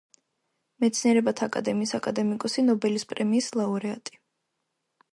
მეცნიერებათა აკადემიის აკადემიკოსი, ნობელის პრემიის ლაურეატი.